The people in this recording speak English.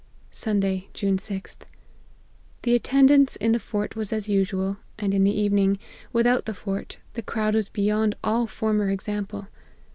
" Sunday, June 6th. The attendance in the fort was as usual ; and in the evening, without the fort, the crowd was beyond all former example.